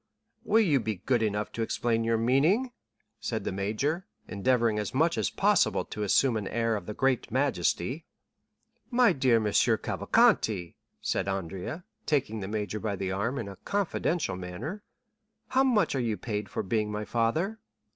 "Will you be good enough to explain your meaning?" said the major, endeavoring as much as possible to assume an air of the greatest majesty. "My dear M. Cavalcanti," said Andrea, taking the major by the arm in a confidential manner, "how much are you paid for being my father?"